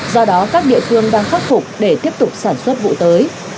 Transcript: do đó các địa phương đang khắc phục để tiếp tục sản xuất vụ tới